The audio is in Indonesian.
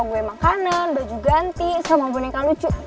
gue makanan baju ganti sama boneka lucu